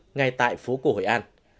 ngay tại phố cổ hội an